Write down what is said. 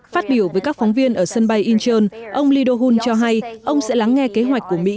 phát biểu với các phóng viên ở sân bay incheon ông lee do hun cho hay ông sẽ lắng nghe kế hoạch của mỹ